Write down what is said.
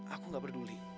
aku gak peduli